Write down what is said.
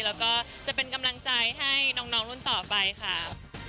แล้วก็จะเป็นกำลังใจให้น้องรุ่นต่อไปค่ะ